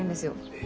へえ。